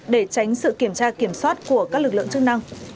để tránh sự kiểm tra kiểm soát của các lực lượng chức năng